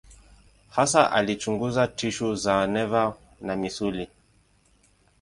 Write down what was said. Hasa alichunguza tishu za neva na misuli.